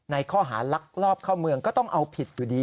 ในข้อหาลักลอบเข้าเมืองก็ต้องเอาผิดอยู่ดี